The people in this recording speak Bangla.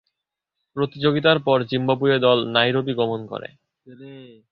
প্রতিযোগিতার পর জিম্বাবুয়ে দল নাইরোবি গমন করে।